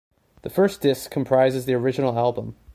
The first disc comprises the original album.